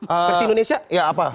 versi indonesia ya apa